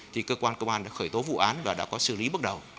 thì cơ quan công an đã khởi tố vụ án và đã có xử lý bước đầu